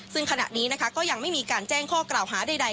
ซึ่งขณะนี้นะคะก็ยังไม่มีการแจ้งข้อกล่าวหาใด